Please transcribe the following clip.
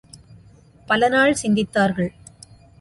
பல நாள் சிந்தித்தார்கள்.